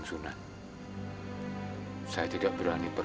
saya saya tidak tahu